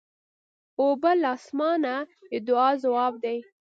اوبه له اسمانه د دعا ځواب دی.